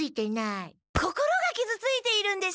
心がきずついているんです！